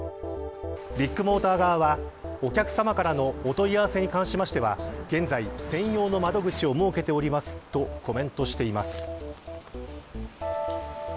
ビッグモーター側はお客さまからのお問い合わせに関しましては現在、専用の窓口を設けておりますとコメントしています。